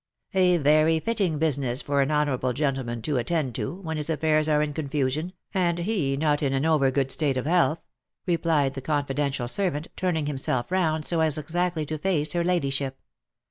" A very fitting business for an honourable gentleman to attend to, when his affairs are in confusion, and he not in an over good state of health," replied the confidential servant, turning himself round, so as exactly to face her ladyship.